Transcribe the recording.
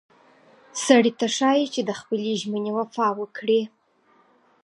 سړي ته ښایي چې د خپلې ژمنې وفا وکړي.